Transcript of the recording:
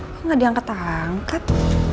kok gak diangkat angkat